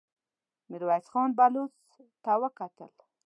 ميرويس خان بلوڅ ته وکتل.